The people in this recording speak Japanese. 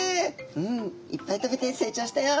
「うんいっぱい食べて成長したよ」。